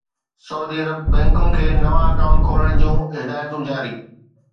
سعودي عرب: بئنڪن کي نوان اڪائونٽ کولڻ جون هدايتون جاري